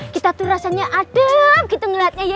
kita tuh rasanya adem gitu ngeliatnya ya